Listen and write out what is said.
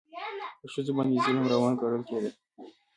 په ښځو باندې ظلم روان ګڼل کېده.